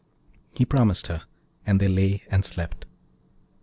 He promised her, and they lay and slept.